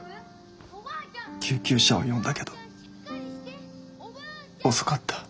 救急車を呼んだけど遅かった。